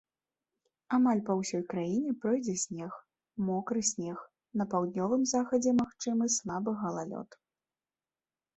Амаль па ўсёй краіне пройдзе снег, мокры снег, на паўднёвым захадзе магчымы слабы галалёд.